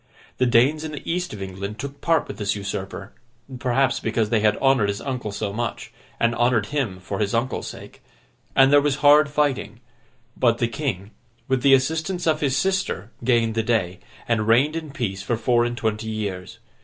The Danes in the East of England took part with this usurper (perhaps because they had honoured his uncle so much, and honoured him for his uncle's sake), and there was hard fighting; but, the King, with the assistance of his sister, gained the day, and reigned in peace for four and twenty years.